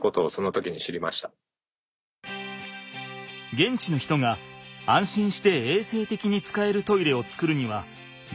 現地の人が安心して衛生的に使えるトイレを作るにはどうすればいいのか。